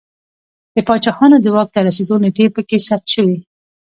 د پاچاهانو د واک ته رسېدو نېټې په کې ثبت شوې